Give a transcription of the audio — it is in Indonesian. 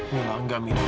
mila enggak mila